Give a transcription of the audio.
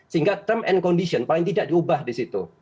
sehingga term and condition paling tidak diubah disitu